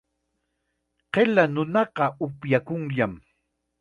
Qilla nunaqa upyakunllam.